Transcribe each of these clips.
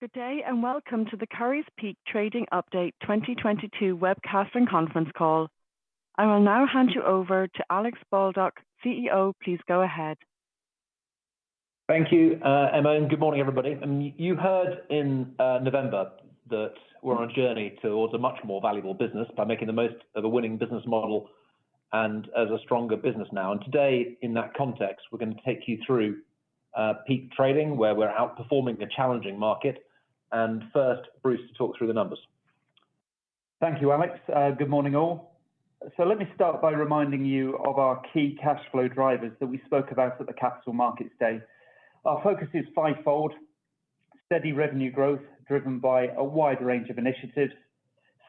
Good day, and welcome to the Currys Peak Trading Update 2022 Webcast and Conference Call. I will now hand you over to Alex Baldock, CEO. Please go ahead. Thank you, Emma, and good morning, everybody. You heard in November that we're on a journey towards a much more valuable business by making the most of a winning business model and as a stronger business now. Today, in that context, we're gonna take you through peak trading, where we're outperforming a challenging market. First, Bruce will talk through the numbers. Thank you, Alex. Good morning, all. Let me start by reminding you of our key cash flow drivers that we spoke about at the Capital Markets Day. Our focus is fivefold, steady revenue growth driven by a wide range of initiatives,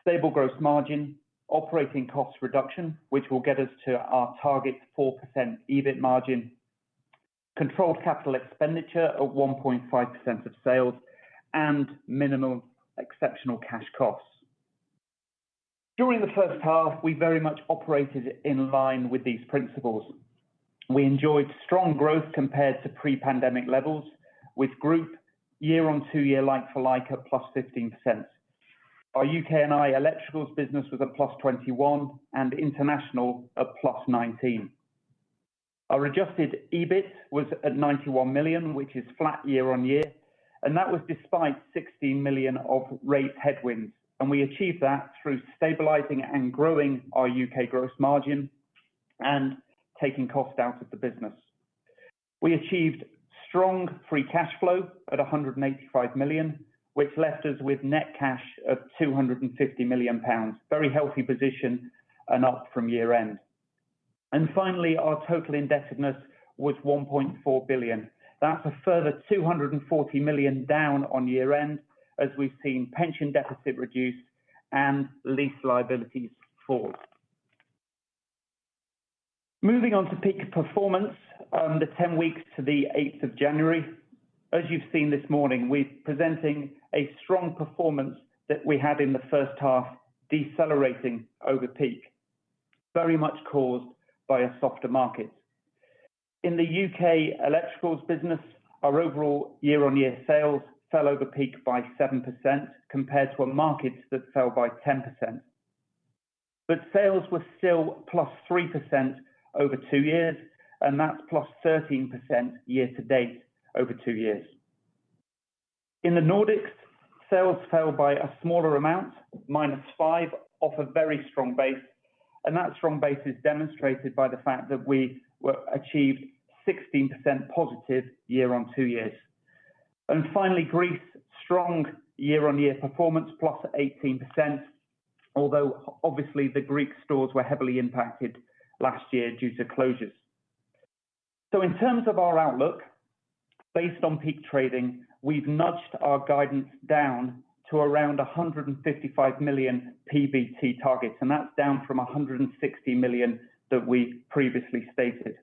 stable gross margin, operating cost reduction which will get us to our target 4% EBIT margin, controlled capital expenditure of 1.5% of sales, and minimal exceptional cash costs. During the first half, we very much operated in line with these principles. We enjoyed strong growth compared to pre-pandemic levels with group year-on-two-year like-for-like at +15%. Our UK&I electrical business was at +21% and international at +19%. Our adjusted EBIT was at 91 million, which is flat year-on-year, and that was despite 16 million of rate headwinds. We achieved that through stabilizing and growing our U.K. gross margin and taking costs out of the business. We achieved strong free cash flow of 185 million, which left us with net cash of 250 million pounds. Very healthy position and up from year-end. Finally, our total indebtedness was 1.4 billion. That's a further 240 million down on year end, as we've seen pension deficit reduce and lease liabilities fall. Moving on to peak performance. The 10 weeks to the 8th of January. As you've seen this morning, we're presenting a strong performance that we had in the first half, decelerating over peak, very much caused by a softer market. In the U.K. electrical business, our overall year-on-year sales fell over peak by 7% compared to a market that fell by 10%. Sales were still +3% over two years, and that's +13% year-to-date over two years. In the Nordics, sales fell by a smaller amount, -5%, off a very strong base, and that strong base is demonstrated by the fact that we achieved 16% positive over two years. Finally, Greece, strong year-on-year performance, +18%, although obviously the Greek stores were heavily impacted last year due to closures. In terms of our outlook, based on peak trading, we've nudged our guidance down to around 155 million PBT targets, and that's down from 160 million that we previously stated.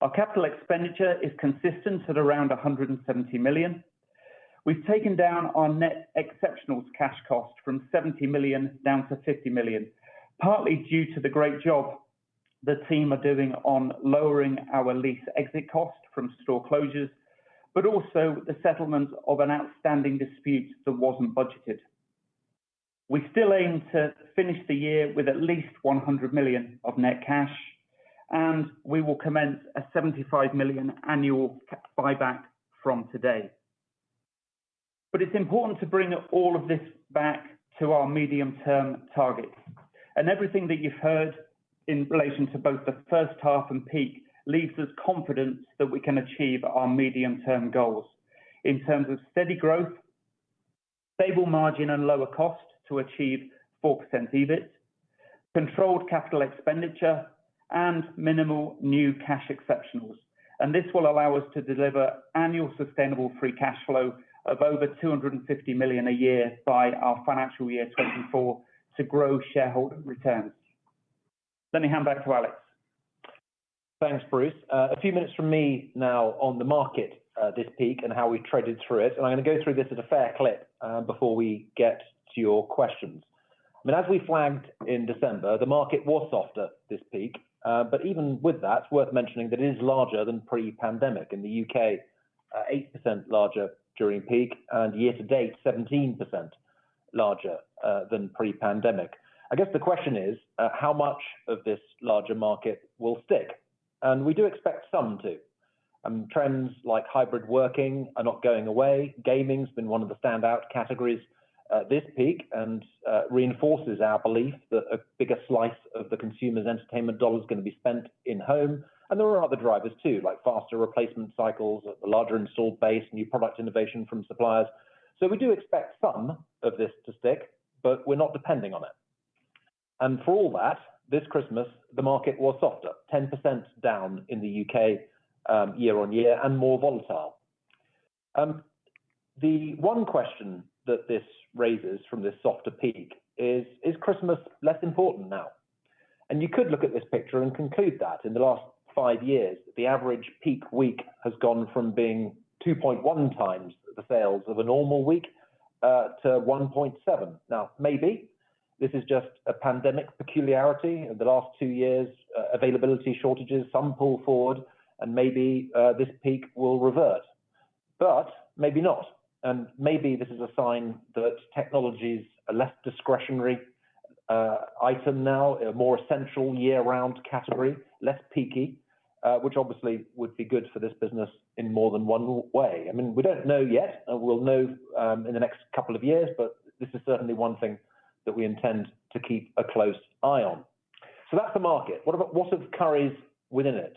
Our capital expenditure is consistent at around 170 million. We've taken down our net exceptionals cash cost from 70 million down to 50 million, partly due to the great job the team are doing on lowering our lease exit cost from store closures, but also the settlement of an outstanding dispute that wasn't budgeted. We still aim to finish the year with at least 100 million of net cash, and we will commence a 75 million annual buyback from today. It's important to bring all of this back to our medium term targets. Everything that you've heard in relation to both the first half and peak leaves us confident that we can achieve our medium term goals in terms of steady growth, stable margin and lower cost to achieve 4% EBIT, controlled capital expenditure and minimal new cash exceptionals. This will allow us to deliver annual sustainable free cash flow of over 250 million a year by our financial year 2024 to grow shareholder returns. Let me hand back to Alex. Thanks, Bruce. A few minutes from me now on the market, this peak and how we traded through it, and I'm gonna go through this at a fair clip, before we get to your questions. As we flagged in December, the market was softer this peak, but even with that, it's worth mentioning that it is larger than pre-pandemic. In the U.K., 8% larger during peak, and year-to-date, 17% larger, than pre-pandemic. I guess the question is, how much of this larger market will stick? We do expect some to. Trends like hybrid working are not going away. Gaming's been one of the standout categories, this peak and reinforces our belief that a bigger slice of the consumer's entertainment dollar is gonna be spent at home. There are other drivers too, like faster replacement cycles, the larger installed base, new product innovation from suppliers. We do expect some of this to stick, but we're not depending on it. For all that, this Christmas, the market was softer, 10% down in the U.K., year-on-year and more volatile. The one question that this raises from this softer peak is Christmas less important now? You could look at this picture and conclude that in the last five years, the average peak week has gone from being 2.1x the sales of a normal week, to 1.7x. Now, maybe this is just a pandemic peculiarity. In the last two years, availability shortages, some pull forward and maybe, this peak will revert, but maybe not. Maybe this is a sign that technology is a less discretionary item now, a more essential year-round category, less peaky, which obviously would be good for this business in more than one way. I mean, we don't know yet. We'll know in the next couple of years, but this is certainly one thing that we intend to keep a close eye on. That's the market. What of Currys within it?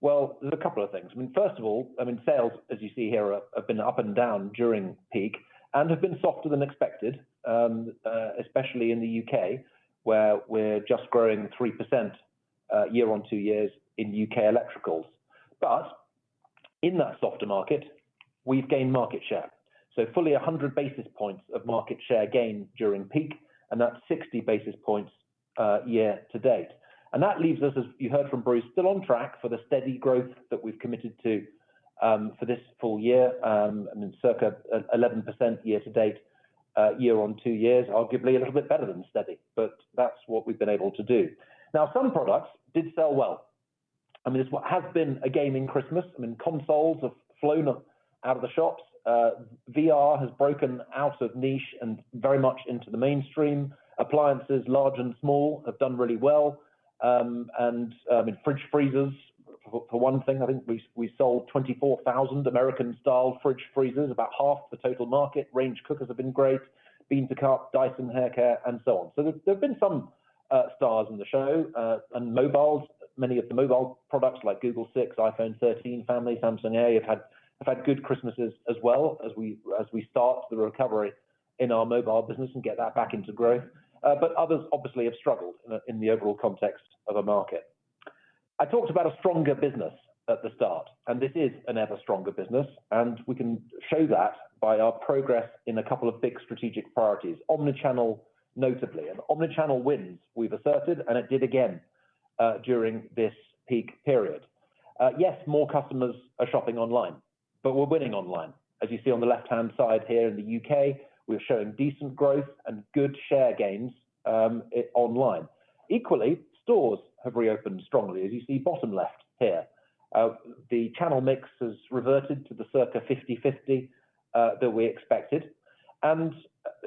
Well, there's a couple of things. I mean, first of all, sales, as you see here, have been up and down during peak and have been softer than expected, especially in the U.K., where we're just growing 3% year-on-year in U.K. electricals. But in that softer market, we've gained market share. Fully 100 basis points of market share gain during peak, and that's 60 basis points year-to-date. That leaves us, as you heard from Bruce, still on track for the steady growth that we've committed to for this full year, and circa 11% year-to-date year-on-year, arguably a little bit better than steady, but that's what we've been able to do. Now, some products did sell well. I mean, it's been a gaming Christmas. I mean, consoles have flown out of the shops. VR has broken out of niche and very much into the mainstream. Appliances, large and small, have done really well. And in fridge freezers, for one thing, I think we sold 24,000 American-style fridge freezers, about half the total market. Range cookers have been great. Bean to cup, Dyson hair care, and so on. There have been some stars in the show and mobiles. Many of the mobile products like Pixel 6, iPhone 13 family, Samsung Galaxy A have had good Christmases as well as we start the recovery in our mobile business and get that back into growth. But others obviously have struggled in the overall context of a market. I talked about a stronger business at the start, and this is an ever-stronger business, and we can show that by our progress in a couple of big strategic priorities, omni-channel, notably. Omni-channel wins, we've asserted, and it did again during this peak period. Yes, more customers are shopping online, but we're winning online. As you see on the left-hand side here in the U.K., we're showing decent growth and good share gains, online. Equally, stores have reopened strongly, as you see bottom left here. The channel mix has reverted to the circa 50/50 that we expected.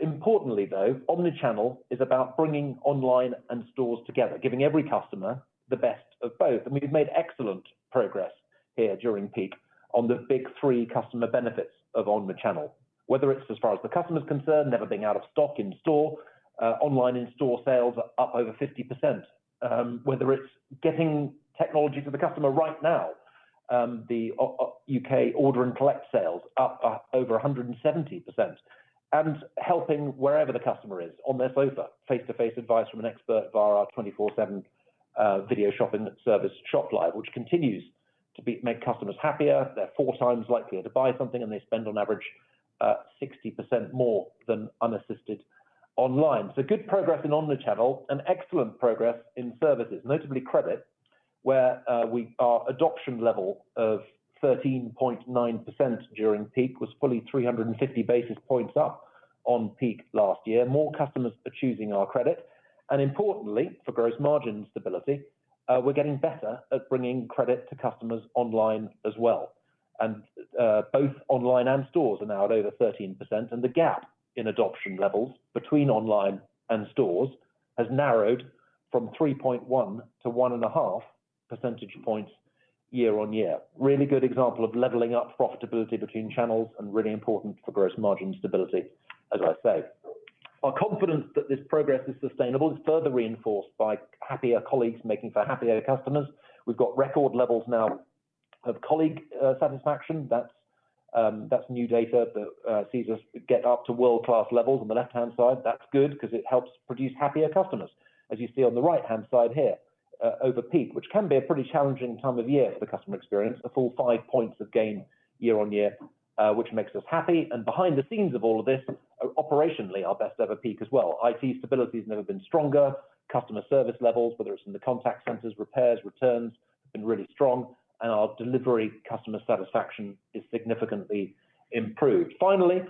Importantly, though, omni-channel is about bringing online and stores together, giving every customer the best of both. We've made excellent progress here during peak on the big three customer benefits of omni-channel, whether it's as far as the customer is concerned, never being out of stock in store, online in-store sales are up over 50%. Whether it's getting technology to the customer right now, the U.K. order and collect sales up over 170%. Helping wherever the customer is on their sofa, face-to-face advice from an expert via our 24/7 video shopping service, ShopLive, which continues to make customers happier. They're four times likelier to buy something, and they spend on average 60% more than unassisted online. Good progress in omni-channel and excellent progress in services, notably credit, where our adoption level of 13.9% during peak was fully 350 basis points up on peak last year. More customers are choosing our credit. Importantly, for gross margin stability, we're getting better at bringing credit to customers online as well. Both online and stores are now at over 13%, and the gap in adoption levels between online and stores has narrowed from 3.1 to 1.5 percentage points year-on-year. Really good example of leveling up profitability between channels and really important for gross margin stability, as I say. Our confidence that this progress is sustainable is further reinforced by happier colleagues making for happier customers. We've got record levels now of colleague satisfaction. That's new data that sees us get up to world-class levels on the left-hand side. That's good because it helps produce happier customers. As you see on the right-hand side here, over peak, which can be a pretty challenging time of year for customer experience, a full five points of gain year-on-year, which makes us happy. Behind the scenes of all of this, operationally our best ever peak as well. IT stability has never been stronger. Customer service levels, whether it's in the contact centers, repairs, returns, have been really strong, and our delivery customer satisfaction is significantly improved. Finally,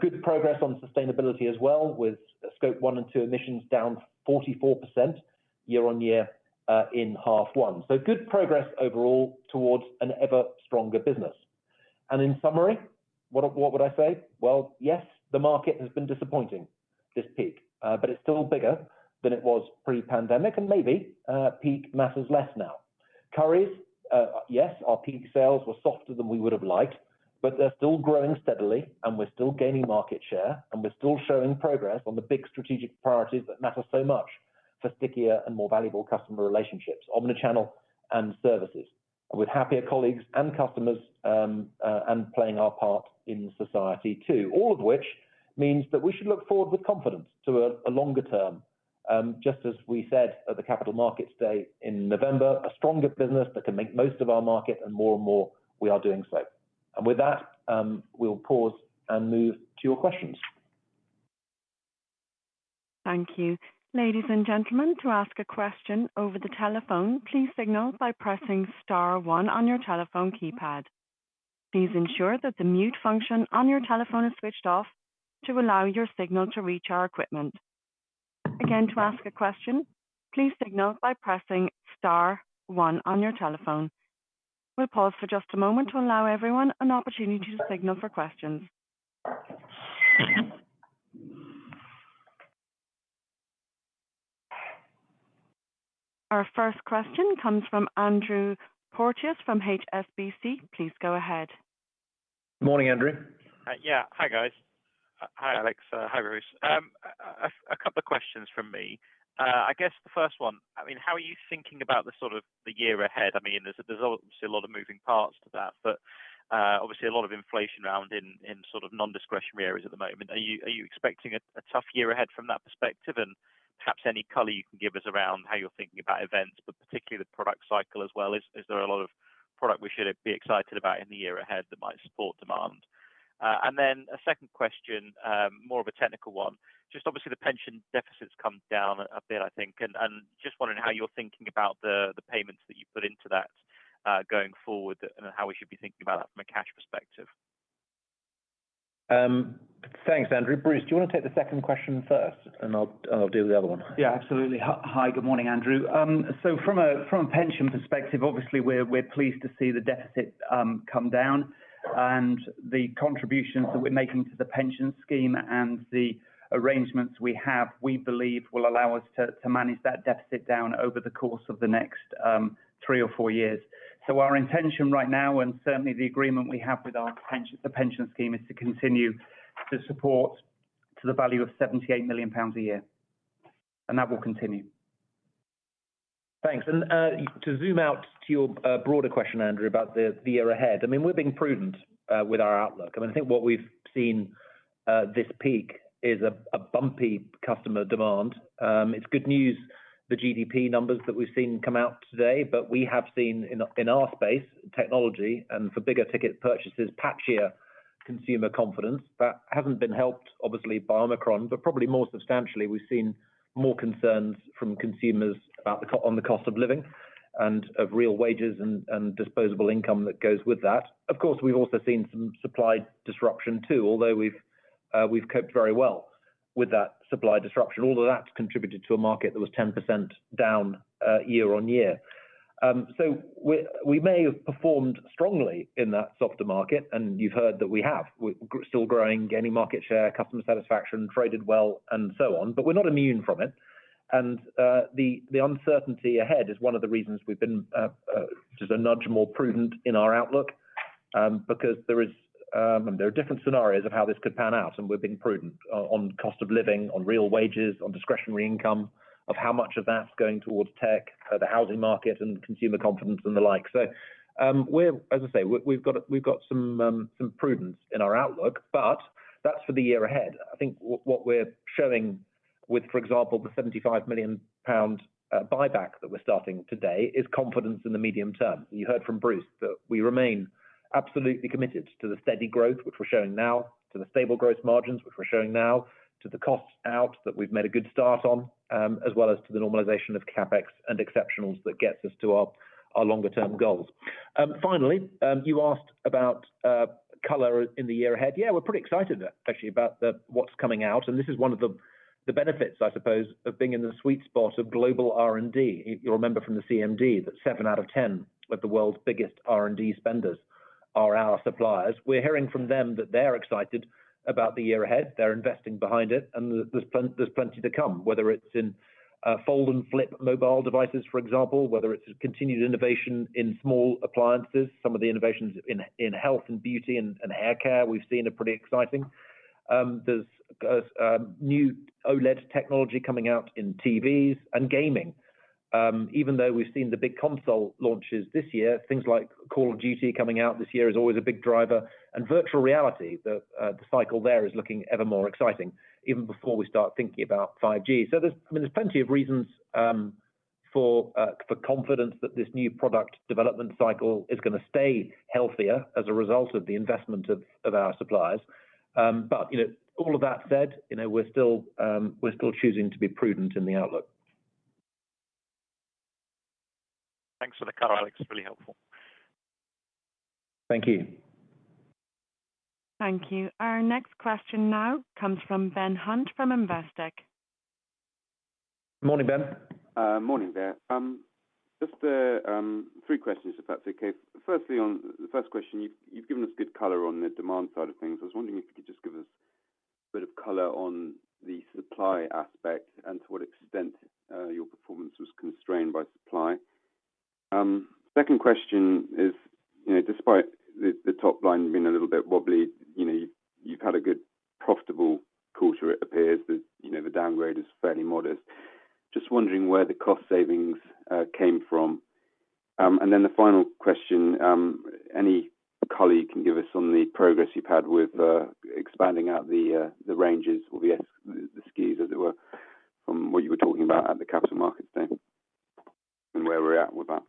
good progress on sustainability as well, with scope one and two emissions down 44% year-on-year in half one. Good progress overall towards an ever stronger business. In summary, what would I say? Well, yes, the market has been disappointing this peak, but it's still bigger than it was pre-pandemic, and maybe peak matters less now. Currys, yes, our peak sales were softer than we would have liked, but they're still growing steadily, and we're still gaining market share, and we're still showing progress on the big strategic priorities that matter so much for stickier and more valuable customer relationships, omni-channel and services, with happier colleagues and customers, and playing our part in society too. All of which means that we should look forward with confidence to a longer term, just as we said at the Capital Markets Day in November, a stronger business that can make the most of our market and more and more we are doing so. With that, we'll pause and move to your questions. Thank you. Ladies and gentlemen, to ask a question over the telephone, please signal by pressing star one on your telephone keypad. Please ensure that the mute function on your telephone is switched off to allow your signal to reach our equipment. Again, to ask a question, please signal by pressing star one on your telephone. We'll pause for just a moment to allow everyone an opportunity to signal for questions. Our first question comes from Andrew Porteous from HSBC. Please go ahead. Morning, Andrew. Yeah. Hi, guys. Hi, Alex. Hi, Bruce. A couple of questions from me. I guess the first one, I mean, how are you thinking about the sort of the year ahead? I mean, there's obviously a lot of moving parts to that, but obviously a lot of inflation around in sort of non-discretionary areas at the moment. Are you expecting a tough year ahead from that perspective? Perhaps any color you can give us around how you're thinking about events, but particularly the product cycle as well. Is there a lot of products we should be excited about in the year ahead that might support demand? A second question, more of a technical one. Just obviously the pension deficits come down a bit, I think, and just wondering how you're thinking about the payments that you put into that, going forward, and how we should be thinking about that from a cash perspective. Thanks, Andrew. Bruce, do you wanna take the second question first? I'll deal with the other one. Yeah, absolutely. Hi, good morning, Andrew. From a pension perspective, obviously we're pleased to see the deficit come down. The contributions that we're making to the pension scheme and the arrangements we have, we believe will allow us to manage that deficit down over the course of the next three or four years. Our intention right now, and certainly the agreement we have with the pension scheme, is to continue to support to the value of 78 million pounds a year. That will continue. Thanks. To zoom out to your broader question, Andrew, about the year ahead, I mean, we're being prudent with our outlook. I mean, I think what we've seen this peak is a bumpy customer demand. It's good news, the GDP numbers that we've seen come out today, but we have seen in our space technology and for bigger ticket purchases, patchier consumer confidence. That hasn't been helped obviously by Omicron, but probably more substantially we've seen more concerns from consumers about the cost of living and of real wages and disposable income that goes with that. Of course, we've also seen some supply disruption too, although we've coped very well with that supply disruption. All of that's contributed to a market that was 10% down year-on-year. We may have performed strongly in that softer market, and you've heard that we have. We're still growing, gaining market share, customer satisfaction, traded well, and so on, but we're not immune from it. The uncertainty ahead is one of the reasons we've been just a nudge more prudent in our outlook, because there are different scenarios of how this could pan out, and we're being prudent on cost of living, on real wages, on discretionary income, of how much of that's going towards tech, the housing market and consumer confidence and the like. As I say, we've got some prudence in our outlook, but that's for the year ahead. I think what we're showing with, for example, the 75 million pound buyback that we're starting today is confidence in the medium term. You heard from Bruce that we remain absolutely committed to the steady growth, which we're showing now, to the stable growth margins, which we're showing now, to the costs out that we've made a good start on, as well as to the normalization of CapEx and exceptionals that gets us to our longer term goals. Finally, you asked about color in the year ahead. Yeah, we're pretty excited actually about what's coming out, and this is one of the benefits, I suppose, of being in the sweet spot of global R&D. You'll remember from the CMD that seven out of ten of the world's biggest R&D spenders are our suppliers. We're hearing from them that they're excited about the year ahead. They're investing behind it, and there's plenty to come, whether it's in fold and flip mobile devices, for example, whether it's continued innovation in small appliances. Some of the innovations in health and beauty and hair care we've seen are pretty exciting. There's new OLED technology coming out in TVs and gaming. Even though we've seen the big console launches this year, things like Call of Duty coming out this year is always a big driver. Virtual reality, the cycle there is looking ever more exciting even before we start thinking about 5G. I mean, there's plenty of reasons for confidence that this new product development cycle is gonna stay healthier as a result of the investment of our suppliers. You know, all of that said, you know, we're still choosing to be prudent in the outlook. Thanks for the color, Alex. Really helpful. Thank you. Thank you. Our next question now comes from Ben Hunt from Investec. Morning, Ben. Morning there. Just three questions if that's okay. Firstly, on the first question, you've given us good color on the demand side of things. I was wondering if you could just give us a bit of color on the supply aspect and to what extent your performance was constrained by supply. Second question is, you know, despite the top line being a little bit wobbly, you know, you've had a good profitable quarter it appears. The downgrade is fairly modest. Just wondering where the cost savings came from. The final question, any color you can give us on the progress you've had with expanding out the ranges or the SKUs, as it were, from what you were talking about at the Capital Markets Day and where we're at with that.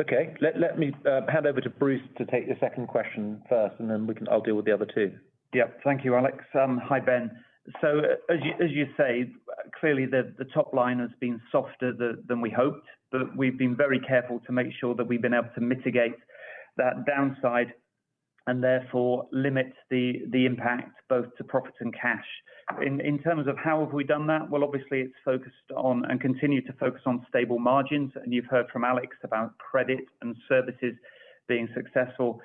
Okay. Let me hand over to Bruce to take the second question first, and then we can. I'll deal with the other two. Thank you, Alex. Hi, Ben. As you say, clearly the top line has been softer than we hoped, but we've been very careful to make sure that we've been able to mitigate that downside and therefore limit the impact both to profit and cash. In terms of how have we done that, well obviously it's focused on and continue to focus on stable margins, and you've heard from Alex about credit and services being successful.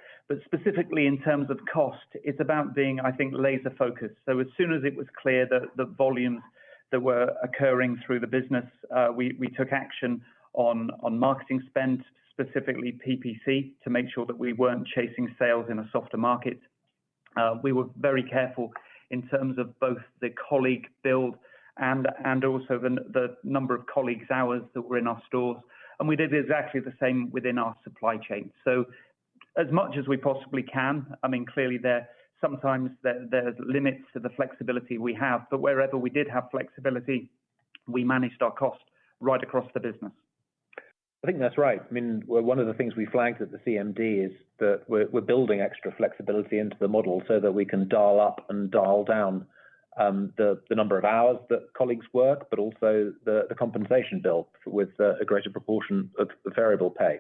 Specifically in terms of cost, it's about being, I think, laser focused. As soon as it was clear that the volumes that were occurring through the business, we took action on marketing spend, specifically PPC, to make sure that we weren't chasing sales in a softer market. We were very careful in terms of both the colleague build and also the number of colleagues' hours that were in our stores, and we did exactly the same within our supply chain. As much as we possibly can, I mean, clearly sometimes there's limits to the flexibility we have, but wherever we did have flexibility, we managed our cost right across the business. I think that's right. I mean, one of the things we flagged at the CMD is that we're building extra flexibility into the model so that we can dial up and dial down the number of hours that colleagues work, but also the compensation bill with a greater proportion of the variable pay.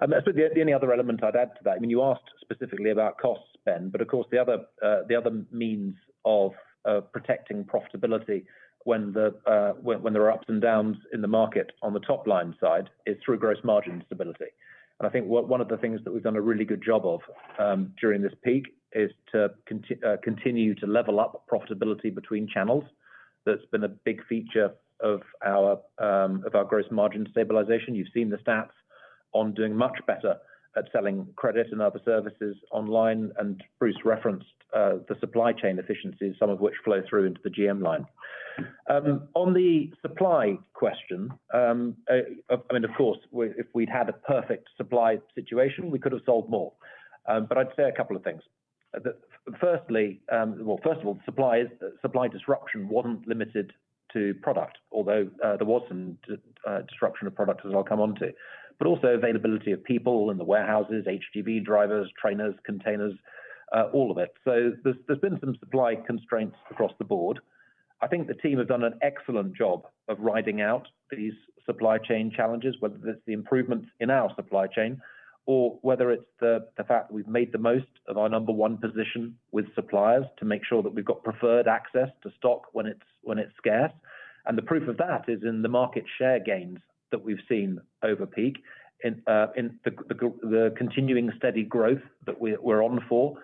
That's the only other element I'd add to that. I mean, you asked specifically about costs, Ben. Of course, the other means of protecting profitability when there are ups and downs in the market on the top line side is through gross margin stability. I think one of the things that we've done a really good job of during this peak is to continue to level up profitability between channels. That's been a big feature of our gross margin stabilization. You've seen the stats on doing much better at selling credit and other services online, and Bruce referenced the supply chain efficiencies, some of which flow through into the GM line. On the supply question, I mean, of course, if we'd had a perfect supply situation, we could have sold more. But I'd say a couple of things. First of all, supply disruption wasn't limited to product, although there was some disruption of product as I'll come on to, but also availability of people in the warehouses, HGV drivers, trainers, containers, all of it. So there's been some supply constraints across the board. I think the team has done an excellent job of riding out these supply chain challenges, whether it's the improvements in our supply chain or whether it's the fact we've made the most of our number one position with suppliers to make sure that we've got preferred access to stock when it's scarce. The proof of that is in the market share gains that we've seen over peak in the continuing steady growth that we're on for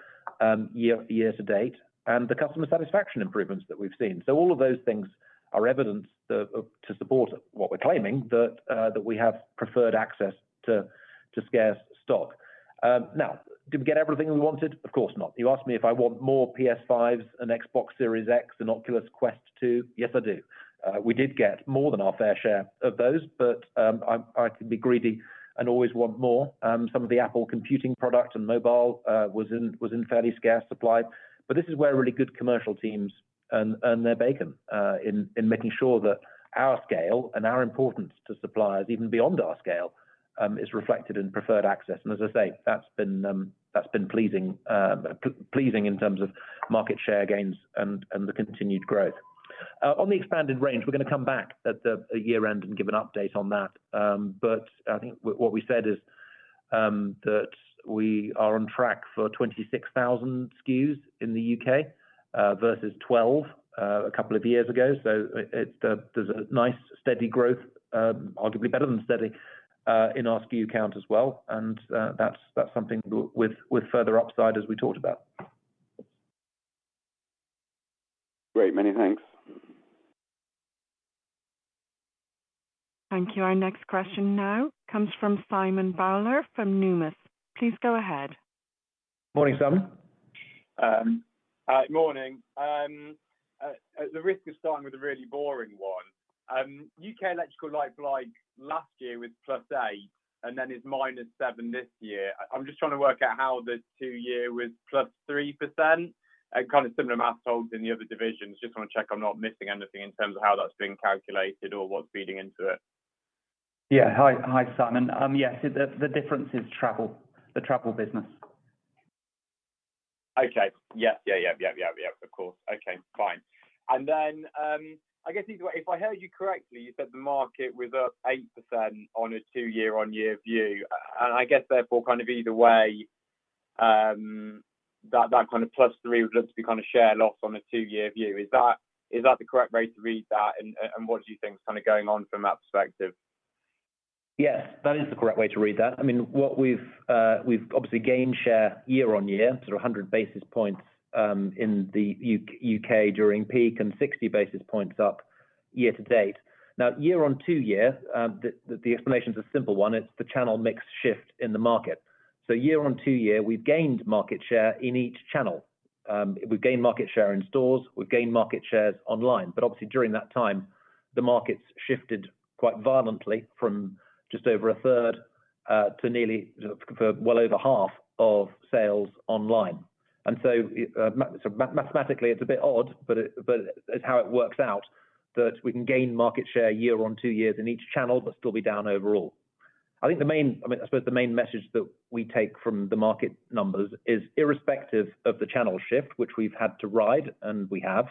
year-to-date, and the customer satisfaction improvements that we've seen. All of those things are evidence to support what we're claiming, that we have preferred access to scarce stock. Now, did we get everything we wanted? Of course not. You asked me if I want more PS5s and Xbox Series X and Oculus Quest 2. Yes, I do. We did get more than our fair share of those, but I could be greedy and always want more. Some of the Apple computing product and mobile was in fairly scarce supply. This is where really good commercial teams earn their bacon in making sure that our scale and our importance to suppliers, even beyond our scale, is reflected in preferred access. As I say, that's been pleasing in terms of market share gains and the continued growth. On the expanded range, we're going to come back at the year-end and give an update on that. I think what we said is that we are on track for 26,000 SKUs in the U.K. versus 12 a couple of years ago. There's a nice steady growth, arguably better than steady, in our SKU count as well. That's something with further upside as we talked about. Great. Many thanks. Thank you. Our next question now comes from Simon Bowler from Numis. Please go ahead. Morning, Simon. Morning. At the risk of starting with a really boring one, UK electricals like last year was +8% and then is -7% this year. I'm just trying to work out how the two-year was +3%. Kind of similar math applied in the other divisions. Just wanna check I'm not missing anything in terms of how that's being calculated or what's feeding into it. Yeah. Hi, Simon. Yes. The difference is travel, the travel business. Okay. Yeah. Of course. Okay, fine. I guess either way, if I heard you correctly, you said the market was up 8% on a two-year on-year view. I guess therefore, kind of either way, that kind of +3% would look to be kind of share loss on a two-year view. Is that the correct way to read that? What do you think is kind of going on from that perspective? Yes, that is the correct way to read that. I mean, what we've obviously gained share year-over-year, sort of 100 basis points, in the U.K. during peak and 60 basis points up year to date. Now, year-on-two-year, the explanation is a simple one. It's the channel mix shift in the market. Year-on-two-year, we've gained market share in each channel. We've gained market share in stores, we've gained market shares online. Obviously during that time, the markets shifted quite violently from just over a third to nearly, well over half of sales online. Mathematically, it's a bit odd, but it's how it works out that we can gain market share year on year in each channel, but still be down overall. I think the main, I mean, I suppose the main message that we take from the market numbers is irrespective of the channel shift, which we've had to ride, and we have,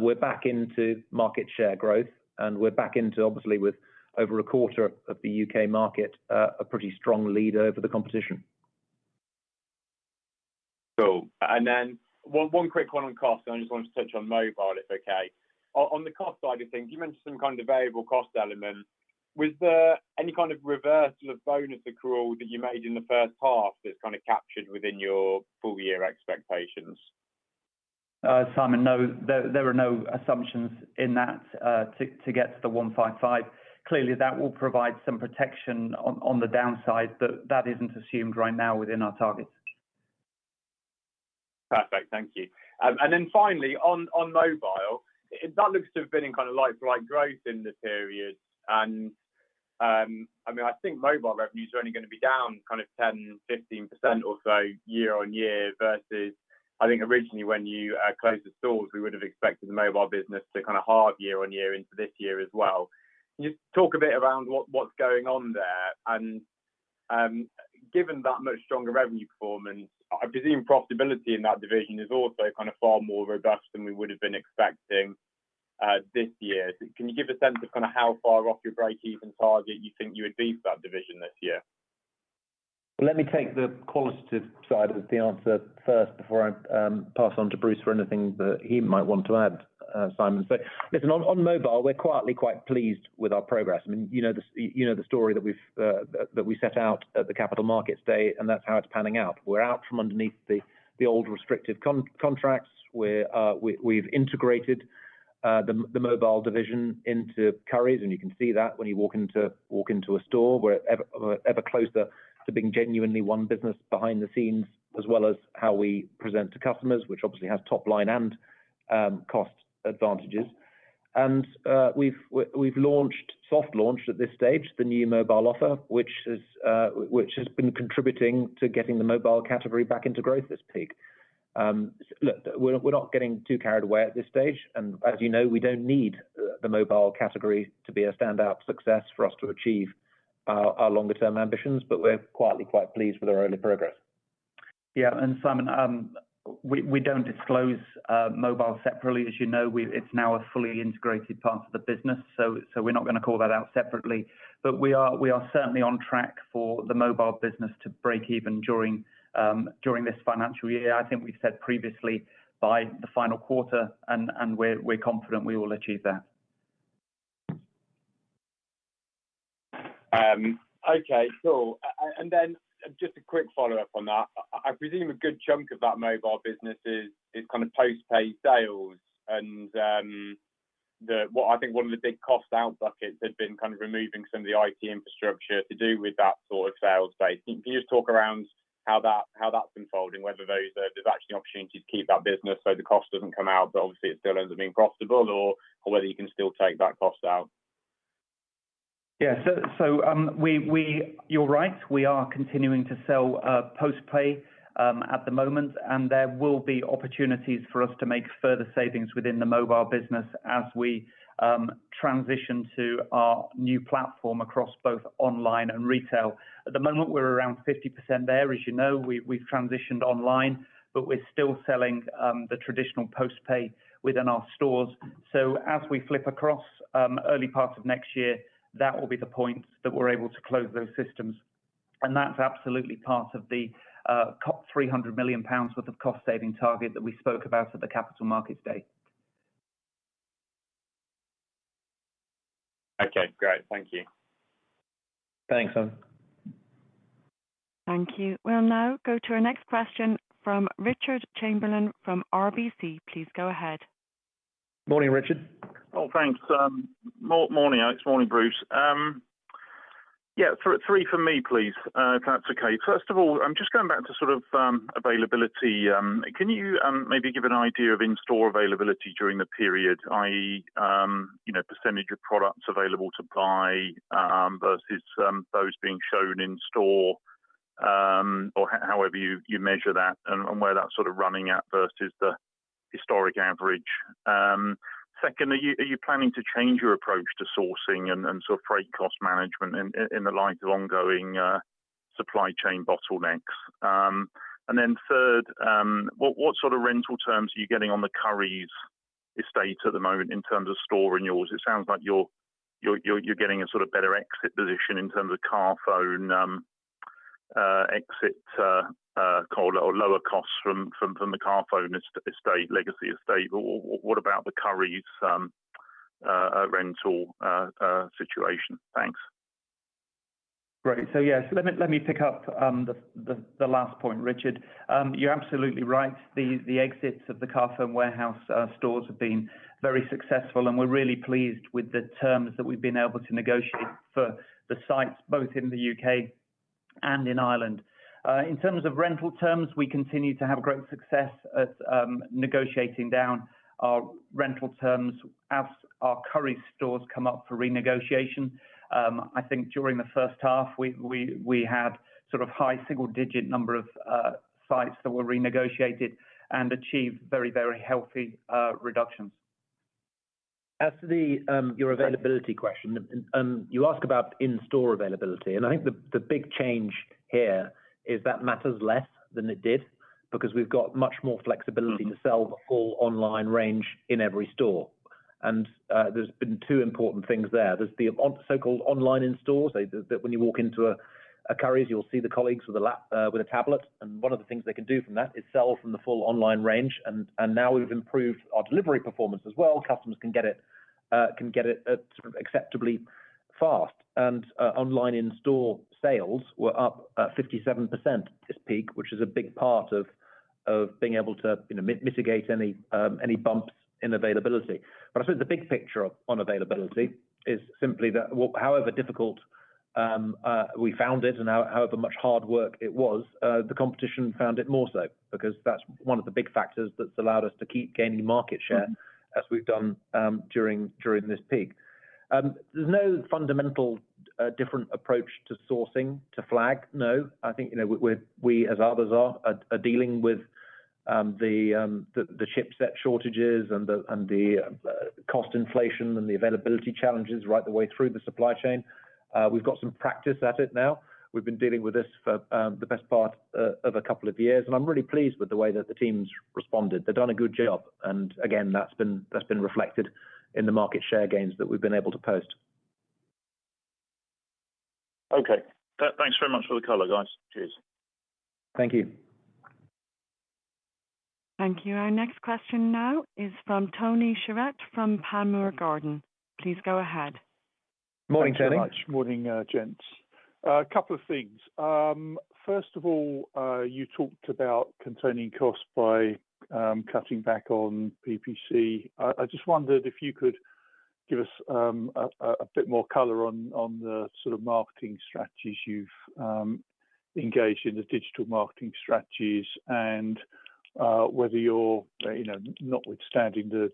we're back into market share growth, and we're back into obviously with over a quarter of the U.K. market, a pretty strong leader over the competition. One quick one on cost, I just wanted to touch on mobile, if okay. On the cost side of things, you mentioned some kind of variable cost element. Was there any kind of reversal of bonus accrual that you made in the first half that's kind of captured within your full year expectations? Simon, no. There are no assumptions in that to get to the 155. Clearly, that will provide some protection on the downside, but that isn't assumed right now within our targets. Perfect. Thank you. Finally, on mobile, that looks to have been in kinda like bright growth in the period. I mean, I think mobile revenues are only gonna be down kind of 10%, 15% or so year-on-year versus, I think originally when you closed the stores, we would have expected the mobile business to kinda halve year-on-year into this year as well. Can you talk a bit around what's going on there? Given that much stronger revenue performance, I presume profitability in that division is also kind of far more robust than we would have been expecting this year. Can you give a sense of kinda how far off your breakeven target you think you would be for that division this year? Let me take the qualitative side of the answer first before I pass on to Bruce for anything that he might want to add, Simon. Listen, on mobile, we're quite pleased with our progress. I mean, you know the story that we set out at the Capital Markets Day, and that's how it's panning out. We're out from underneath the old restrictive contracts. We've integrated the mobile division into Currys, and you can see that when you walk into a store. We're ever closer to being genuinely one business behind the scenes as well as how we present to customers, which obviously has top line and cost advantages. We've soft launched at this stage the new mobile offer, which has been contributing to getting the mobile category back into growth this peak. Look, we're not getting too carried away at this stage. As you know, we don't need the mobile category to be a standout success for us to achieve our longer term ambitions, but we're quietly quite pleased with our early progress. Yeah. Simon, we don't disclose mobile separately. As you know, it's now a fully integrated part of the business, so we're not gonna call that out separately. But we are certainly on track for the mobile business to break even during this financial year. I think we've said previously by the final quarter, and we're confident we will achieve that. Okay. Cool. Just a quick follow-up on that. I presume a good chunk of that mobile business is kinda post-paid sales. What I think one of the big cost out buckets had been kind of removing some of the IT infrastructure to do with that sort of sales base. Can you just talk around how that's unfolding, whether there's actually an opportunity to keep that business so the cost doesn't come out, but obviously it still ends up being profitable or whether you can still take that cost out? You're right. We are continuing to sell post-pay at the moment, and there will be opportunities for us to make further savings within the mobile business as we transition to our new platform across both online and retail. At the moment, we're around 50% there. As you know, we've transitioned online, but we're still selling the traditional post-pay within our stores. As we flip across early parts of next year, that will be the point that we're able to close those systems. That's absolutely part of the cut 300 million pounds worth of cost saving target that we spoke about at the Capital Markets Day. Okay, great. Thank you. Thanks, Simon. Thank you. We'll now go to our next question from Richard Chamberlain from RBC. Please go ahead. Morning, Richard. Oh, thanks. Morning, Alex. Morning, Bruce. Yeah, three from me, please, if that's okay. First of all, I'm just going back to sort of availability. Can you maybe give an idea of in-store availability during the period, i.e., you know, percentage of products available to buy versus those being shown in store or however you measure that and where that's sort of running at versus the historic average. Second, are you planning to change your approach to sourcing and sort of freight cost management in the light of ongoing supply chain bottlenecks? And then third, what sort of rental terms are you getting on the Currys estate at the moment in terms of store renewals? It sounds like you're getting a sort of better exit position in terms of Carphone exit, call it or lower costs from the Carphone estate, legacy estate. What about the Currys rental situation? Thanks. Great. Yes, let me pick up the last point, Richard. You're absolutely right. The exits of the Carphone Warehouse stores have been very successful, and we're really pleased with the terms that we've been able to negotiate for the sites both in the U.K. and in Ireland. In terms of rental terms, we continue to have great success at negotiating down our rental terms as our Currys stores come up for renegotiation. I think during the first half, we had sort of high single digit number of sites that were renegotiated and achieved very healthy reductions. As to your availability question, and you ask about in-store availability, and I think the big change here is that matters less than it did because we've got much more flexibility to sell the full online range in every store. There's been two important things there. There's the so-called online in stores. That when you walk into a Currys, you'll see the colleagues with a tablet, and one of the things they can do from that is sell from the full online range. Now we've improved our delivery performance as well. Customers can get it at sort of acceptably fast. Online in-store sales were up 57% this peak, which is a big part of being able to, you know, mitigate any bumps in availability. I suppose the big picture on availability is simply that however difficult we found it and however much hard work it was, the competition found it more so because that's one of the big factors that's allowed us to keep gaining market share. Mm-hmm As we've done during this peak. There's no fundamentally different approach to sourcing to flag. No. I think, you know, we as others are dealing with the chipset shortages and the cost inflation and the availability challenges right the way through the supply chain. We've got some practice at it now. We've been dealing with this for the best part of a couple of years, and I'm really pleased with the way that the team's responded. They've done a good job. Again, that's been reflected in the market share gains that we've been able to post. Okay. Thanks very much for the color, guys. Cheers. Thank you. Thank you. Our next question now is from Tony Shiret from Panmure Gordon. Please go ahead. Morning, Tony. Thanks so much. Morning, gents. A couple of things. First of all, you talked about containing costs by cutting back on PPC. I just wondered if you could give us a bit more color on the sort of marketing strategies you've engaged in, the digital marketing strategies and whether you're, you know, notwithstanding the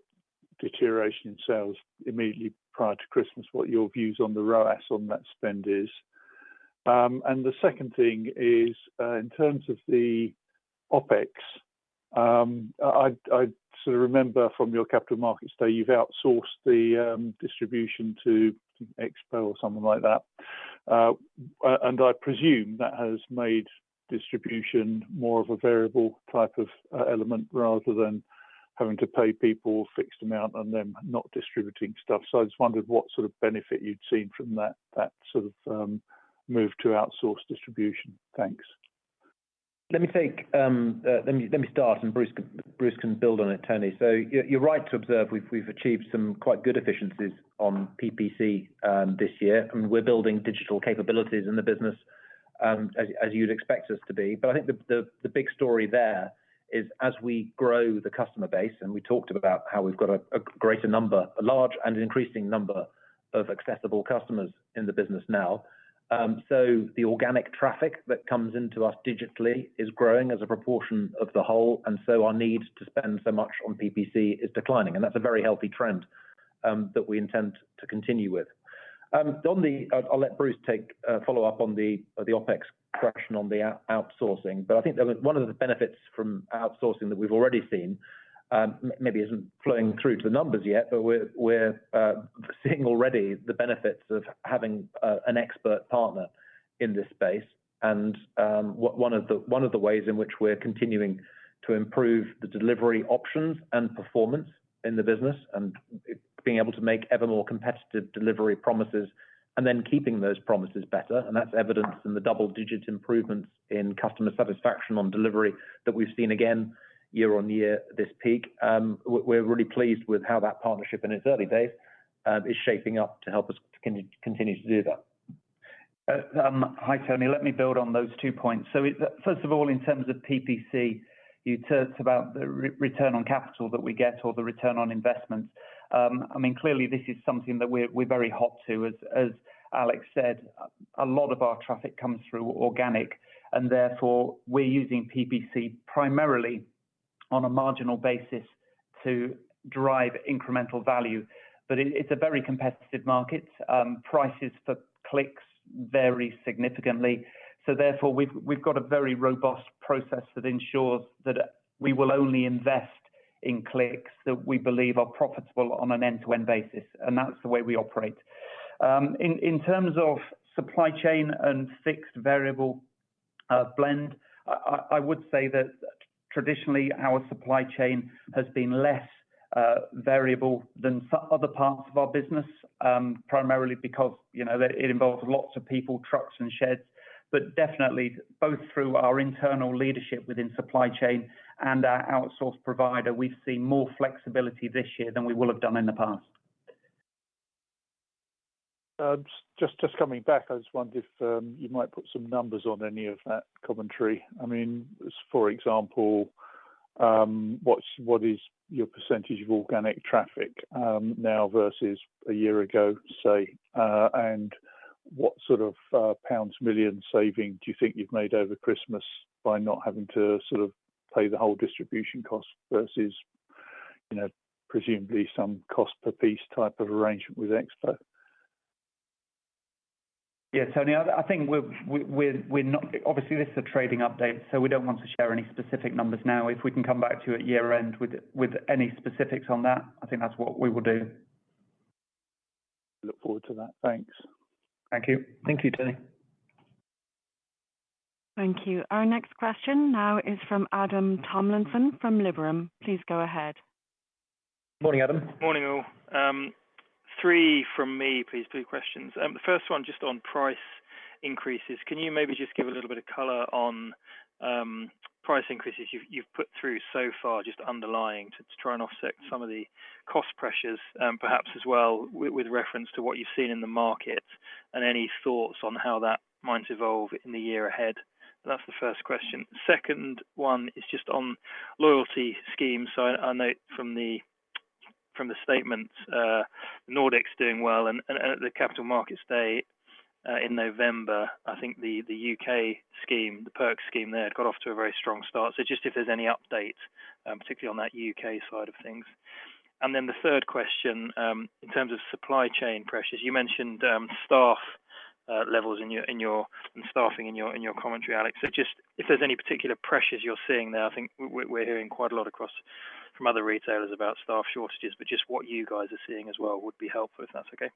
deterioration in sales immediately prior to Christmas, what your views on the ROAS on that spend is. And the second thing is, in terms of the OpEx, I'd sort of remember from your Capital Markets Day, you've outsourced the distribution to GXO or something like that. And I presume that has made distribution more of a variable type of element rather than having to pay people fixed amount and then not distributing stuff. I just wondered what sort of benefit you'd seen from that sort of move to outsource distribution. Thanks. Let me start, and Bruce can build on it, Tony. You're right to observe we've achieved some quite good efficiencies on PPC this year, and we're building digital capabilities in the business, as you'd expect us to be. I think the big story there is as we grow the customer base, and we talked about how we've got a greater number, a large and increasing number of accessible customers in the business now, so the organic traffic that comes into us digitally is growing as a proportion of the whole, and so our need to spend so much on PPC is declining. That's a very healthy trend that we intend to continue with. I'll let Bruce take follow-up on the OpEx correction on the outsourcing. But I think that was one of the benefits from outsourcing that we've already seen, maybe isn't flowing through to the numbers yet, but we're seeing already the benefits of having an expert partner in this space and one of the ways in which we're continuing to improve the delivery options and performance in the business and being able to make ever more competitive delivery promises and then keeping those promises better. That's evidenced in the double-digit improvements in customer satisfaction on delivery that we've seen again year-on-year this peak. We're really pleased with how that partnership in its early days is shaping up to help us continue to do that. Hi, Tony. Let me build on those two points. First of all, in terms of PPC, you talked about the return on capital that we get or the return on investment. I mean, clearly this is something that we're very hot on. As Alex said, a lot of our traffic comes through organic, and therefore we're using PPC primarily on a marginal basis to drive incremental value. It's a very competitive market. Prices for clicks vary significantly. Therefore, we've got a very robust process that ensures that we will only invest in clicks that we believe are profitable on an end-to-end basis, and that's the way we operate. In terms of supply chain and fixed variable blend, I would say that traditionally our supply chain has been less variable than some other parts of our business, primarily because, you know, it involves lots of people, trucks and sheds. Definitely both through our internal leadership within supply chain and our outsource provider, we've seen more flexibility this year than we will have done in the past. Just coming back, I just wondered if you might put some numbers on any of that commentary. I mean, for example, what is your percentage of organic traffic now versus a year ago, say? What sort of pounds million saving do you think you've made over Christmas by not having to sort of pay the whole distribution cost versus, you know, presumably some cost per piece type of arrangement with GXO? Yeah, Tony, obviously this is a trading update, so we don't want to share any specific numbers now. If we can come back to you at year-end with any specifics on that, I think that's what we will do. Look forward to that. Thanks. Thank you. Thank you, Tony. Thank you. Our next question now is from Adam Tomlinson from Liberum. Please go ahead. Morning, Adam. Morning, all. Three from me, please. Three questions. The first one just on price increases. Can you maybe just give a little bit of color on, price increases you've put through so far, just underlying to try and offset some of the cost pressures, perhaps as well with reference to what you've seen in the market and any thoughts on how that might evolve in the year ahead? That's the first question. Second one is just on loyalty schemes. I note from the statement, Nordics doing well and at the Capital Markets Day in November, I think the U.K. scheme, the Perks scheme there got off to a very strong start. Just if there's any updates, particularly on that U.K. side of things. Then the third question, in terms of supply chain pressures, you mentioned staff levels in your commentary, Alex. Just if there's any particular pressures you're seeing there. I think we're hearing quite a lot across from other retailers about staff shortages, but just what you guys are seeing as well would be helpful if that's okay.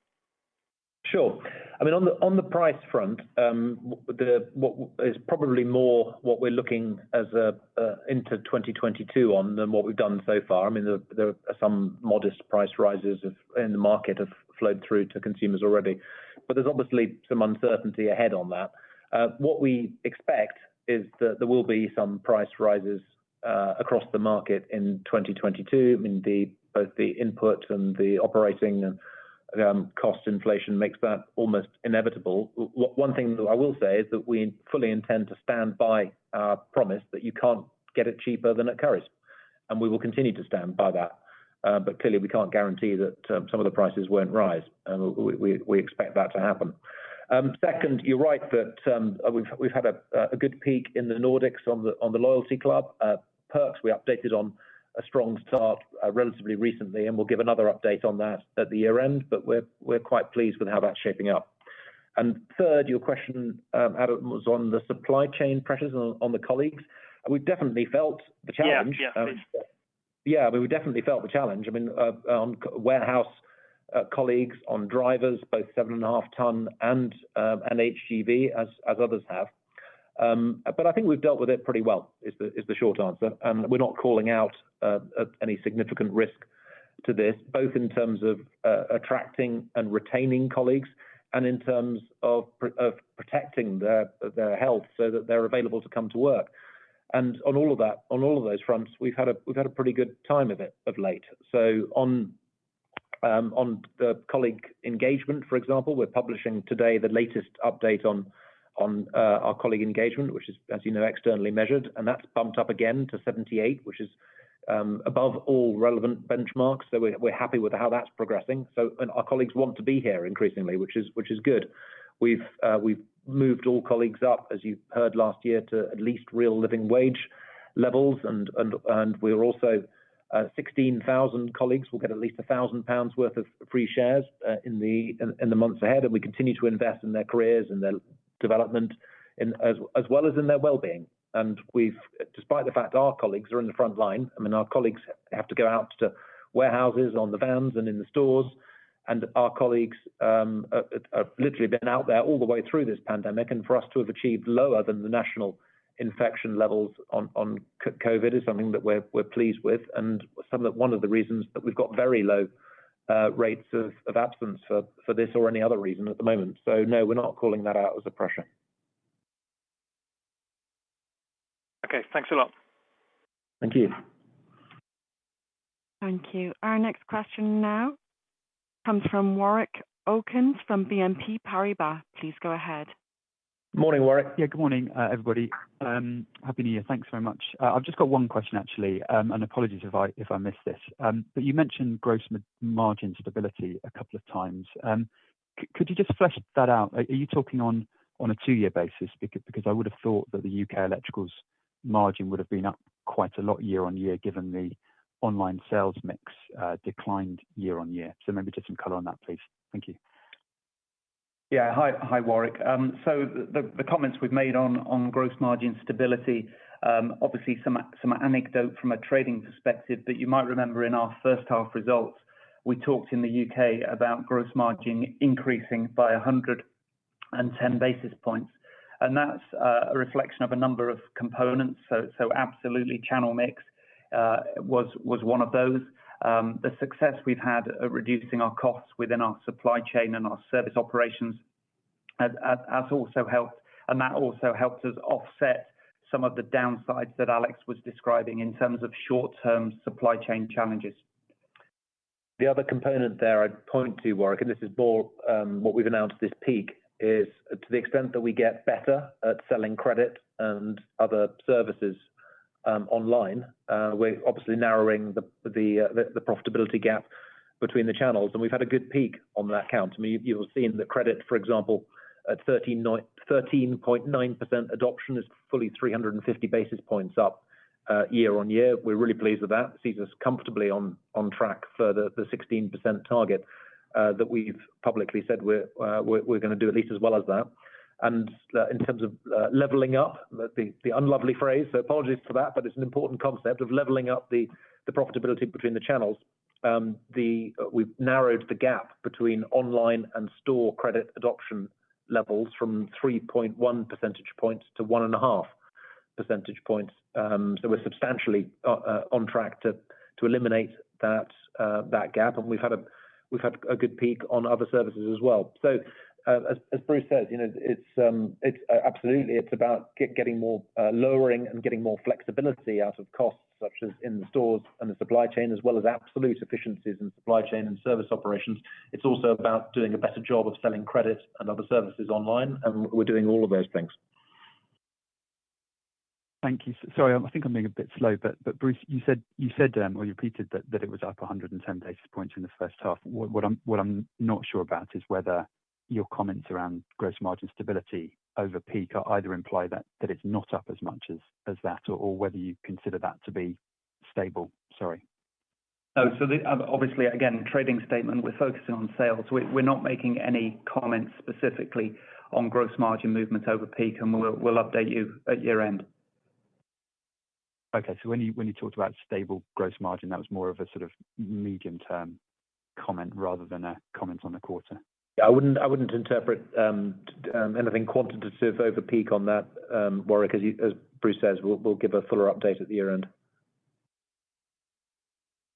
Sure. I mean, on the price front, what is probably more what we're looking ahead into 2022 on than what we've done so far. I mean, some modest price rises in the market have flowed through to consumers already. There's obviously some uncertainty ahead on that. What we expect is that there will be some price rises across the market in 2022. I mean, both the input and the operating cost inflation makes that almost inevitable. One thing though I will say is that we fully intend to stand by our promise that you can't get it cheaper than at Currys, and we will continue to stand by that. Clearly we can't guarantee that some of the prices won't rise, and we expect that to happen. Second, you're right that we've had a good peak in the Nordics on the loyalty club. Perks, we updated on a strong start relatively recently, and we'll give another update on that at the year-end, but we're quite pleased with how that's shaping up. Third, your question, Adam, was on the supply chain pressures on the colleagues. We've definitely felt the challenge. Yeah. Yeah. Yeah. We definitely felt the challenge. I mean, on warehouse colleagues, on drivers, both 7.5-ton and HGV as others have. I think we've dealt with it pretty well, is the short answer. We're not calling out any significant risk to this, both in terms of attracting and retaining colleagues and in terms of protecting their health so that they're available to come to work. On all of that, on all of those fronts, we've had a pretty good time of it of late. On the colleague engagement, for example, we're publishing today the latest update on our colleague engagement, which is, as you know, externally measured, and that's bumped up again to 78, which is above all relevant benchmarks. We're happy with how that's progressing. Our colleagues want to be here increasingly, which is good. We've moved all colleagues up, as you've heard last year, to at least real Living Wage levels. We're also 16,000 colleagues will get at least 1,000 pounds worth of free shares in the months ahead. We continue to invest in their careers and their development as well as in their well-being. Despite the fact our colleagues are in the front line, I mean, our colleagues have to go out to warehouses on the vans and in the stores, and our colleagues have literally been out there all the way through this pandemic. For us to have achieved lower than the national infection levels on COVID is something that we're pleased with, one of the reasons that we've got very low rates of absence for this or any other reason at the moment. No, we're not calling that out as a pressure. Okay. Thanks a lot. Thank you. Thank you. Our next question now comes from Warwick Okines from BNP Paribas. Please go ahead. Morning, Warwick. Yeah. Good morning, everybody. Happy new year. Thanks very much. I've just got one question actually, and apologies if I miss this. You mentioned gross margin stability a couple of times. Could you just flesh that out? Are you talking on a two-year basis? Because I would have thought that the UK electricals margin would have been up quite a lot year-on-year given the online sales mix declined year-on-year. Maybe just some color on that, please. Thank you. Hi, Warwick. The comments we've made on gross margin stability, obviously some anecdote from a trading perspective, but you might remember in our first half results, we talked in the U.K. about gross margin increasing by 110 basis points. That's a reflection of a number of components. Absolutely channel mix was one of those. The success we've had at reducing our costs within our supply chain and our service operations has also helped, and that also helped us offset some of the downsides that Alex was describing in terms of short-term supply chain challenges. The other component there I'd point to, Warwick, and this is more what we've announced this peak, is to the extent that we get better at selling credit and other services online. We're obviously narrowing the profitability gap between the channels, and we've had a good peak on that count. I mean, you'll see in the credit, for example, at 13.9% adoption is fully 350 basis points up year-on-year. We're really pleased with that. Sees us comfortably on track for the 16% target that we've publicly said we're gonna do at least as well as that. In terms of leveling up the unlovely phrase, so apologies for that, but it's an important concept of leveling up the profitability between the channels. We've narrowed the gap between online and store credit adoption levels from 3.1 percentage points to 1.5 percentage points. We're substantially on track to eliminate that gap, and we've had a good pick-up on other services as well. As Bruce says, you know, it's absolutely about lowering and getting more flexibility out of costs, such as in the stores and the supply chain, as well as absolute efficiencies in supply chain and service operations. It's also about doing a better job of selling credit and other services online. We're doing all of those things. Thank you. Sorry, I think I'm being a bit slow. Bruce, you said or you repeated that it was up 110 basis points in the first half. What I'm not sure about is whether your comments around gross margin stability over peak either imply that it's not up as much as that or whether you consider that to be stable. Sorry. Obviously, again, trading statement, we're focusing on sales. We're not making any comments specifically on gross margin movements over peak, and we'll update you at year-end. Okay. When you talked about stable gross margin, that was more of a sort of medium-term comment rather than a comment on the quarter. Yeah, I wouldn't interpret anything quantitative over peak on that, Warwick. As Bruce says, we'll give a fuller update at the year-end.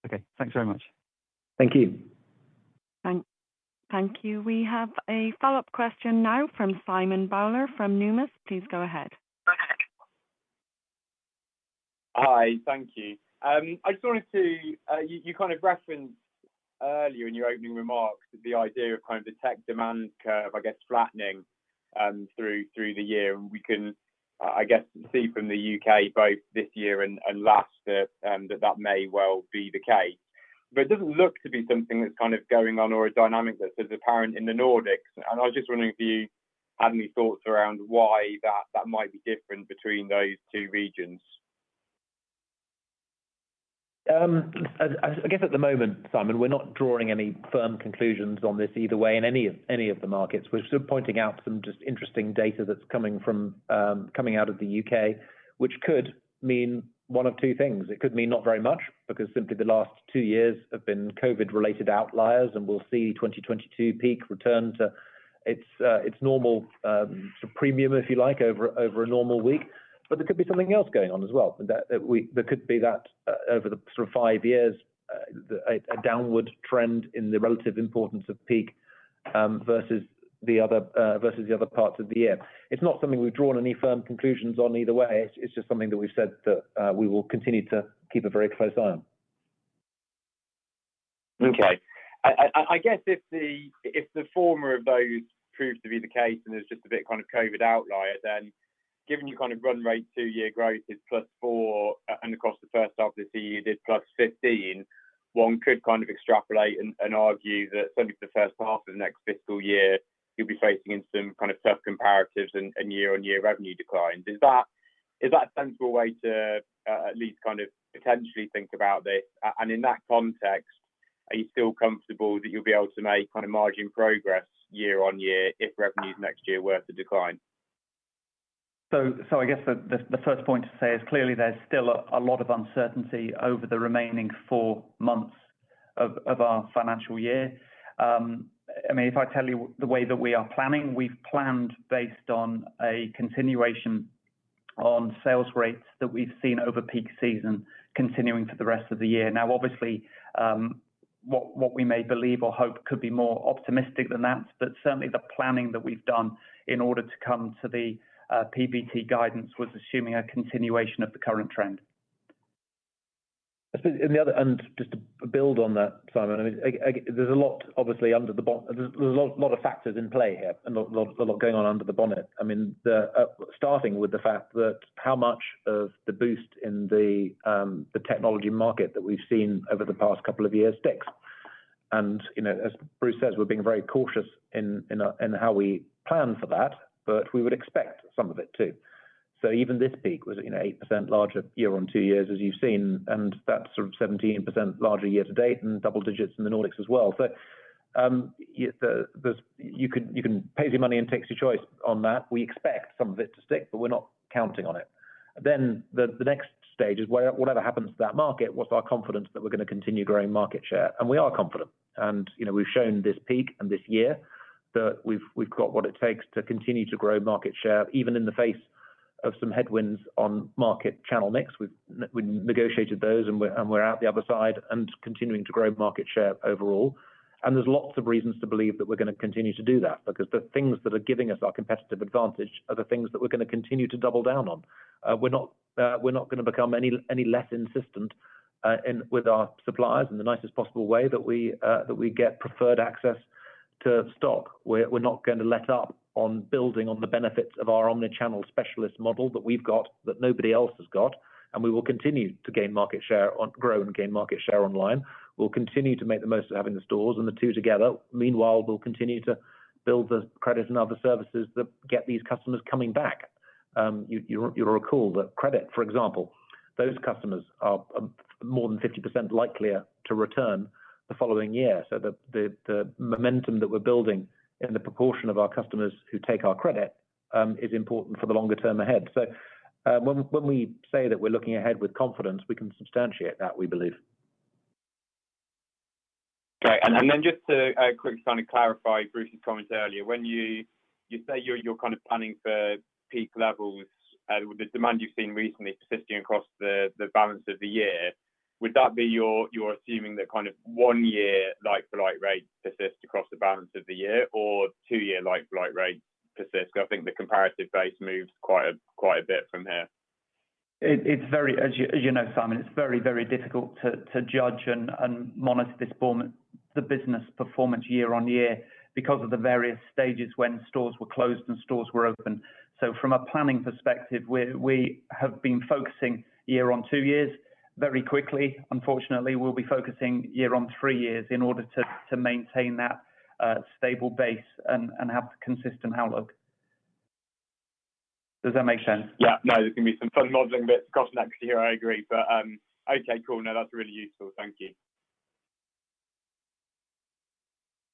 Okay, thanks very much. Thank you. Thank you. We have a follow-up question now from Simon Bowler from Numis. Please go ahead. Hi, thank you. You kind of referenced earlier in your opening remarks the idea of kind of the tech demand curve, I guess, flattening through the year. We can, I guess, see from the U.K. both this year and last that that may well be the case. It doesn't look to be something that's kind of going on or a dynamic that's as apparent in the Nordics. I was just wondering if you had any thoughts around why that might be different between those two regions. As I guess at the moment, Simon, we're not drawing any firm conclusions on this either way in any of the markets. We're sort of pointing out some just interesting data that's coming out of the U.K., which could mean one of two things. It could mean not very much, because simply the last two years have been COVID-related outliers, and we'll see 2022 peak return to its normal sort of premium, if you like, over a normal week. There could be something else going on as well. There could be that over the sort of five years, a downward trend in the relative importance of peak versus the other parts of the year. It's not something we've drawn any firm conclusions on either way. It's just something that we've said that we will continue to keep a very close eye on. Okay. I guess if the former of those proves to be the case and is just a bit kind of COVID outlier, then given you kind of run rate two-year growth is +4%, and of course the first half this year you did +15%, one could kind of extrapolate and argue that certainly for the first half of the next fiscal year, you'll be facing into some kind of tough comparatives and year-on-year revenue declines. Is that a sensible way to at least kind of potentially think about this? In that context, are you still comfortable that you'll be able to make kind of margin progress year-on-year if revenues next year were to decline? I guess the first point to say is clearly there's still a lot of uncertainty over the remaining four months of our financial year. I mean, if I tell you the way that we are planning, we've planned based on a continuation on sales rates that we've seen over peak season continuing for the rest of the year. Now obviously, what we may believe, or hope could be more optimistic than that, but certainly the planning that we've done in order to come to the PBT guidance was assuming a continuation of the current trend. Just to build on that, Simon, I mean, there's a lot obviously under the bonnet. There's a lot of factors in play here and a lot going on under the bonnet. I mean, starting with the fact that how much of the boost in the technology market that we've seen over the past couple of years sticks. You know, as Bruce says, we're being very cautious in how we plan for that, but we would expect some of it to. Even this peak was, you know, 8% larger year on two years, as you've seen, and that's sort of 17% larger year to date and double digits in the Nordics as well. Yeah, this—you can pay your money and take your choice on that. We expect some of it to stick, but we're not counting on it. The next stage is whatever happens to that market, what's our confidence that we're gonna continue growing market share? We are confident. You know, we've shown this peak and this year that we've got what it takes to continue to grow market share, even in the face of some headwinds on market channel mix. We negotiated those, and we're out the other side and continuing to grow market share overall. There's lots of reasons to believe that we're gonna continue to do that because the things that are giving us our competitive advantage are the things that we're gonna continue to double down on. We're not gonna become any less insistent with our suppliers in the nicest possible way that we get preferred access to stop. We're not gonna let up on building on the benefits of our omni-channel specialist model that we've got that nobody else has got, and we will continue to grow and gain market share online. We'll continue to make the most of having the stores and the two together. Meanwhile, we'll continue to build the credit and other services that get these customers coming back. You'll recall that credit, for example, those customers are more than 50% likelier to return the following year. The momentum that we're building in the proportion of our customers who take our credit is important for the longer term ahead. When we say that we're looking ahead with confidence, we can substantiate that we believe. Okay. To quickly kinda clarify Bruce's comments earlier. When you say you're kind of planning for peak levels with the demand you've seen recently persisting across the balance of the year, would that be you're assuming the kind of one-year like-for-like rate persist across the balance of the year or two-year like-for-like rate persist? I think the comparative base moves quite a bit from here. As you know, Simon, it's very, very difficult to judge and monitor this form of the business performance year on year because of the various stages when stores were closed and stores were open. From a planning perspective, we have been focusing on two years very quickly. Unfortunately, we'll be focusing on three years in order to maintain that stable base and have a consistent outlook. Does that make sense? Yeah. No, there's gonna be some fun modeling bits across next year, I agree. Okay, cool. No, that's really useful. Thank you.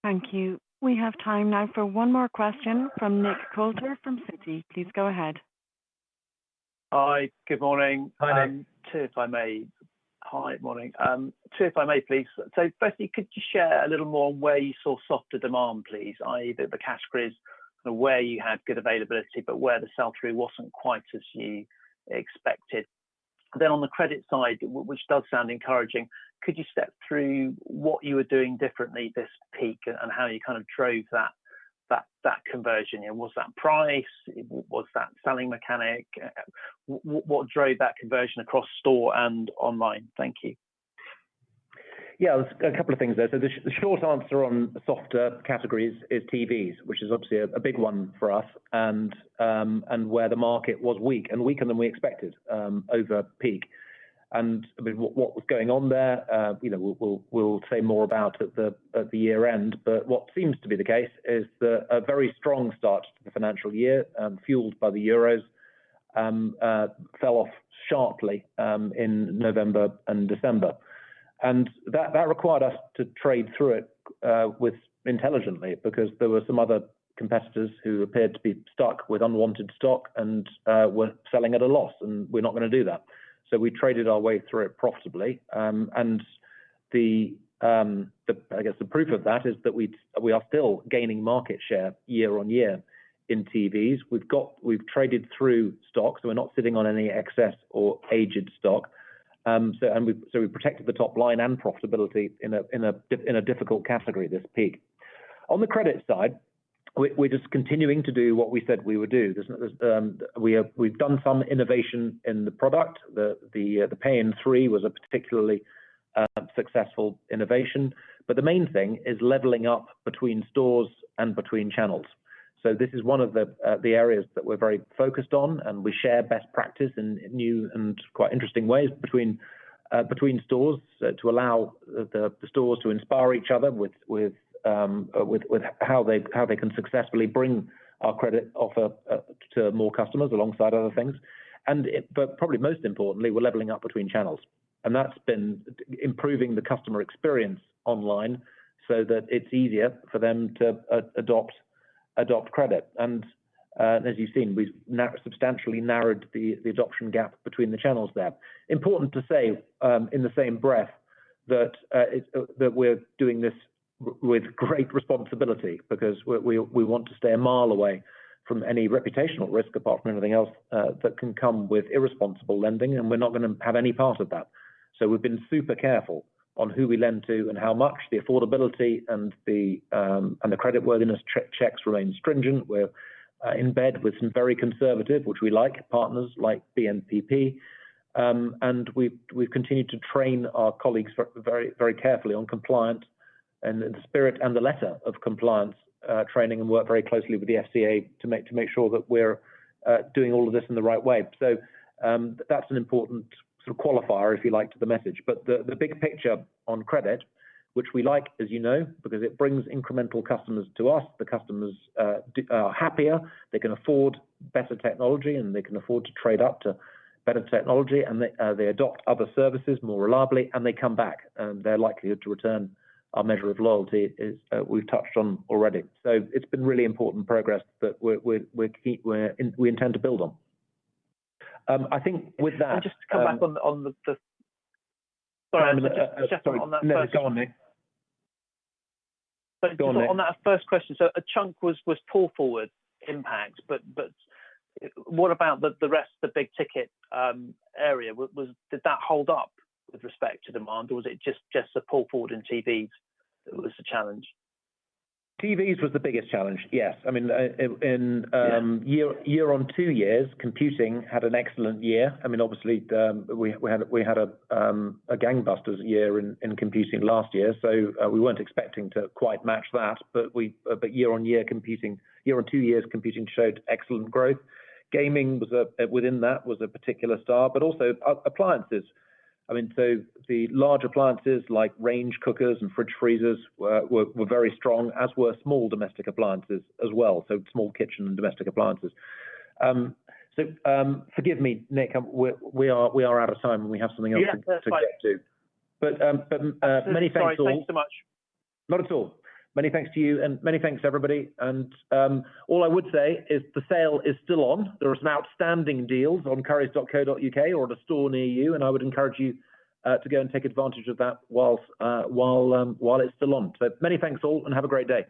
Thank you. We have time now for one more question from Nick Coulter from Citi. Please go ahead. Hi, good morning. Hi, Nick. Two if I may please. Hi, morning. First, could you share a little more on where you saw softer demand please, i.e. the categories and where you had good availability, but where the sell-through wasn't quite as you expected. Then on the credit side, which does sound encouraging, could you step through what you were doing differently this peak and how you kind of drove that conversion? And was that price? Was that selling mechanic? What drove that conversion across store and online? Thank you. Yeah. There's a couple of things there. So, the short answer on softer categories is TVs, which is obviously a big one for us, and where the market was weak and weaker than we expected over peak. I mean, what was going on there, you know, we'll say more about at the year end. But what seems to be the case is a very strong start to the financial year fueled by the Euros fell off sharply in November and December. That required us to trade through it intelligently because there were some other competitors who appeared to be stuck with unwanted stock and were selling at a loss, and we're not gonna do that. We traded our way through it profitably. I guess the proof of that is that we are still gaining market share year on year in TVs. We've traded through stock, so we're not sitting on any excess or aged stock. We protected the top line and profitability in a difficult category this peak. On the credit side, we're just continuing to do what we said we would do. We've done some innovation in the product. The Pay in Three was a particularly successful innovation. The main thing is leveling up between stores and between channels. This is one of the areas that we're very focused on, and we share best practice in new and quite interesting ways between stores to allow the stores to inspire each other with how they can successfully bring our credit offer to more customers alongside other things. Probably most importantly, we're leveling up between channels, and that's been improving the customer experience online so that it's easier for them to adopt credit. As you've seen, we've substantially narrowed the adoption gap between the channels there. Important to say in the same breath that it's that we're doing this with great responsibility because we want to stay a mile away from any reputational risk apart from anything else that can come with irresponsible lending, and we're not gonna have any part of that. We've been super careful on who we lend to and how much. The affordability and the credit worthiness checks remain stringent. We're in bed with some very conservative, which we like, partners like BNPP. We've continued to train our colleagues very carefully on compliance and the spirit and the letter of compliance training and work very closely with the FCA to make sure that we're doing all of this in the right way. That's an important sort of qualifier, if you like, to the message. But the big picture on credit, which we like, as you know, because it brings incremental customers to us, the customers are happier. They can afford better technology, and they can afford to trade up to better technology, and they adopt other services more reliably, and they come back. They're likelier to return. Our measure of loyalty, which we've touched on already. It's been really important progress that we intend to build on. I think with that, Sorry, I mean, just on that first Sorry. No, go on, Nick. On that first question, so a chunk was pull forward impact, but what about the rest of the big ticket area? Did that hold up with respect to demand, or was it just the pull forward in TVs that was the challenge? TVs was the biggest challenge, yes. I mean, in Yeah. Year on two years, computing had an excellent year. I mean, obviously, we had a gangbusters year in computing last year. We weren't expecting to quite match that, but year on year computing. Year on two years, computing showed excellent growth. Gaming within that was a particular star, but also appliances. I mean, the large appliances like range cookers and fridge freezers were very strong, as were small domestic appliances as well, so small kitchen and domestic appliances. Forgive me, Nick. We are out of time, and we have something else. Yeah. That's fine. ...to get to. Many thanks all. Sorry. Thanks so much. Not at all. Many thanks to you and many thanks to everybody. All I would say is the sale is still on. There are some outstanding deals on currys.co.uk or at a store near you, and I would encourage you to go and take advantage of that while it's still on. Many thanks all, and have a great day.